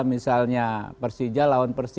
misalnya persija lawan persib